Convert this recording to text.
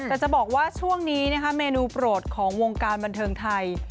แต่จะบอกว่าช่วงนี้นะคะเมนูโปรดของวงการบันเทิงไทย